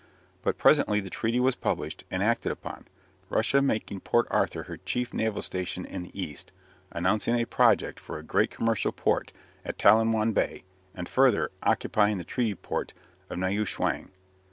But presently the treaty was published, and acted upon, Russia making Port Arthur her chief naval station in the East, announcing a project for a great commercial port at Talienwan Bay, and, further, occupying the treaty port of Niu chwang.